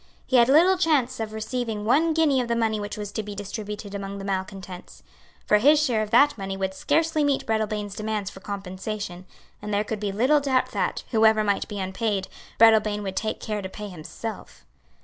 He had little chance of receiving one guinea of the money which was to be distributed among the malecontents. For his share of that money would scarcely meet Breadalbane's demands for compensation; and there could be little doubt that, whoever might be unpaid, Breadalbane would take care to pay himself.